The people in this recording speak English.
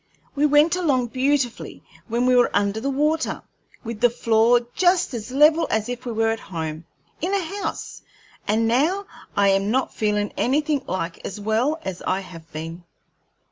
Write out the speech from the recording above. We went along beautifully when we were under the water, with the floor just as level as if we were at home, in a house, and now I am not feelin' anything like as well as I have been.